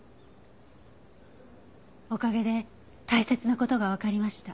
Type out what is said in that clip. おかげで大切な事がわかりました。